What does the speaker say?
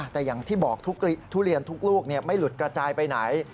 แต่อย่างที่บอกทุเรียนทุกลูกไม่หลุดกระจายไปไหน